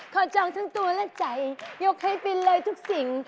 จองทั้งตัวและใจยกให้เป็นเลยทุกสิ่ง